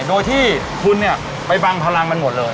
โดยที่คุณเนี่ยไปบังพลังมันหมดเลย